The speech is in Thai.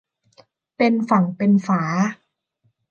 เป็นฝั่งเป็นฝา